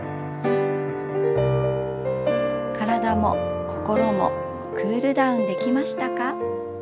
体も心もクールダウンできましたか？